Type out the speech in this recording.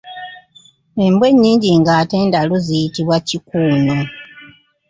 Embwa ennyingi ng’ate ndalu ziyitibwa kikuuno.